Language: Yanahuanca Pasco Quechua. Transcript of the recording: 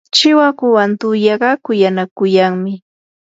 chiwakuwan tuyaqa kuyanakuyanmi.